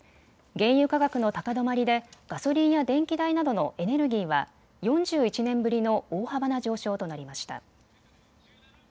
原油価格の高止まりでガソリンや電気代などのエネルギーは４１年ぶりの大幅な上昇となりました。